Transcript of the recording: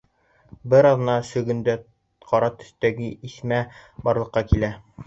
Бер аҙҙан сөгөндә ҡара төҫтәге иҙмә барлыҡҡа килә.